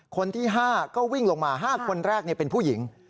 คนที่๕ก็วิ่งลงมา๕คนแรกเป็นผู้หญิง